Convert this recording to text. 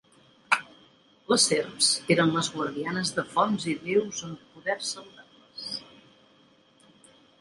Les serps eren les guardianes de fonts i deus amb poders saludables.